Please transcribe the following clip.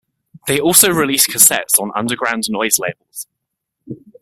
They also released cassettes on underground noise labels.